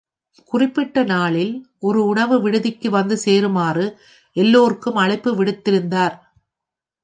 குறிப்பிட்ட நாளில், ஒரு உணவு விடுதிக்கு வந்து சேருமாறு எல்லோருக்கும் அழைப்பு விடுத்திருந்தார்.